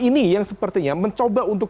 ini yang sepertinya mencoba untuk